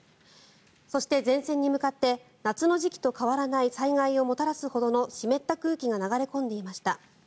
そして前線に向かって夏の時期と変わらない災害をもたらすほどの湿った空気が流れ込んでいました。